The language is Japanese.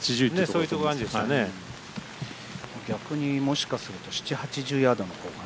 逆にもしかすると７０８０ヤードのほうが。